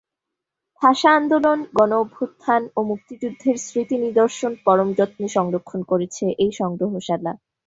ভাষা আন্দোলন, গণঅভ্যুত্থান ও মুক্তিযুদ্ধের স্মৃতি নিদর্শন পরম যত্নে সংরক্ষণ করছে এই সংগ্রহশালা।